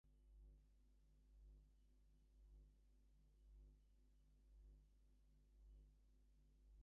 Nevertheless, let it be as you, not I, would have it.